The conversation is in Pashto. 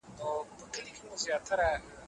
مثبت فکر پرمختګ نه دروي.